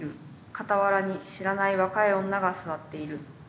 傍らに知らない若い女が座っている」。